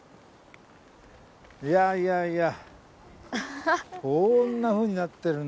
いやいやいや。